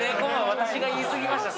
私が言い過ぎました